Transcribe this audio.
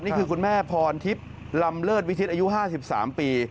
นี่คือคุณแม่พรทิพย์ลำเลิศวิชิตอายุ๕๓ปี